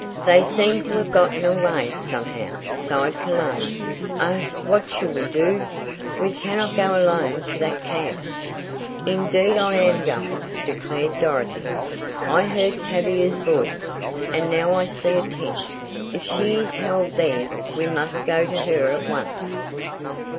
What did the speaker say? "They seem to have gotten away, somehow," sighed Cologne. "Oh, what shall we do? We cannot go alone to that camp." "Indeed I am going," declared Dorothy. "I heard Tavia's voice, and now I see a tent. If she is held there, we must go to her at once."